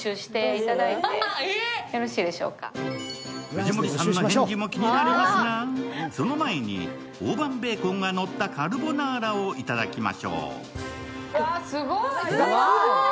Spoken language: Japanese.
藤森さんの返事も気になりますが、その前に大判ベーコンがのったカルボナーラをいただきましょう。